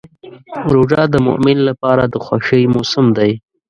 روژه د مؤمن لپاره د خوښۍ موسم دی.